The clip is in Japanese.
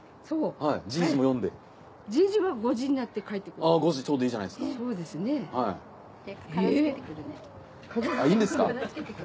そうですね。